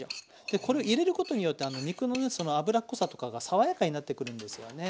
でこれを入れることによって肉のねその脂っこさとかが爽やかになってくるんですよね。